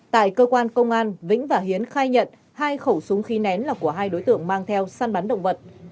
tại cơ quan công an vĩnh và hiến khai nhận hai khẩu súng khi nén là của hai đối tượng mang theo săn bắn động vật